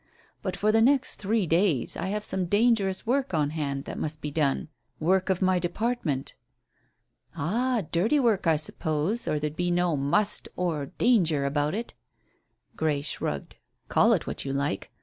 But for the next three days I have some dangerous work on hand that must be done. Work of my department." "Ah, dirty work, I suppose, or there'd be no 'must' or 'danger' about it." Grey shrugged. "Call it what you like.